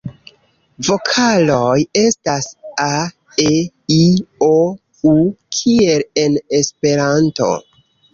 Vokaloj estas: a,e,i,o,u kiel en Esperanto.